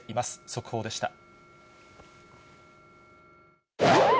速報でした。